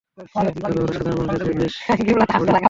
তবে ওরা সাধারণ মানুষের চেয়ে বেশ কড়িতকর্মা!